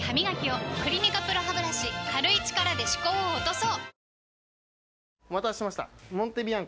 「クリニカＰＲＯハブラシ」軽い力で歯垢を落とそう！